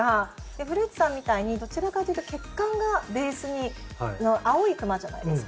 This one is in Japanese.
古市さんみたいにどちらかというと血管がベースの青いクマじゃないですか。